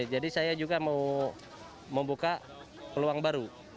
jadi saya juga mau membuka peluang baru